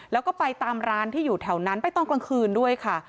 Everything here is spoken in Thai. แล้วก็ไปตามร้านที่อยู่แถวนั้นไปตอนกลางคืนด้วยค่ะ